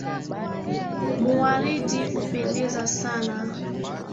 Muwaridi hupendeza sana.